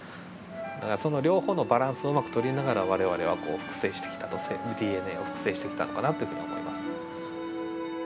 だからその両方のバランスをうまく取りながら我々は複製してきたとＤＮＡを複製してきたのかなというふうに思います。